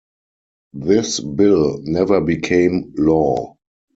This bill never became law.